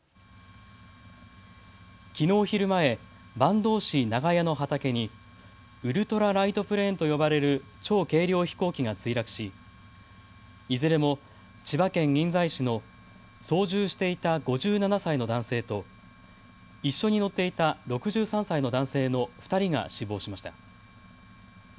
きのう昼前、坂東市長谷の畑にウルトラライトプレーンと呼ばれる超軽量飛行機が墜落しいずれも千葉県印西市の操縦していた５７歳の男性と一緒に乗っていた６３歳の男性の２人が死亡しました。